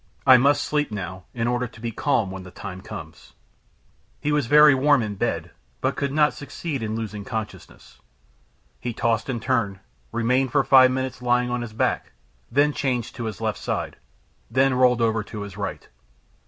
I must sleep now, in order to be calm when the time comes." He was very warm in bed, but he could not succeed in losing consciousness. He tossed and turned, remained for five minutes lying on his back, then changed to his left side, then rolled over to his right.